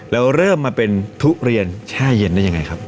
แล้วเริ่มมาเป็นทุเรียนแช่เย็นได้ยังไงครับ